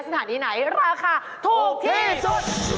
สถานีไหนราคาถูกที่สุด